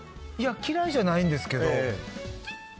嫌いじゃないんですけど。